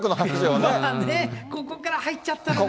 ここから入っちゃったのが。